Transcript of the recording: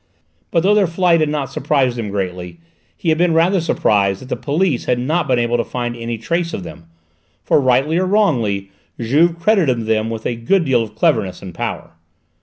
But though their flight had not surprised him greatly, he had been rather surprised that the police had not been able to find any trace of them, for rightly or wrongly Juve credited them with a good deal of cleverness and power.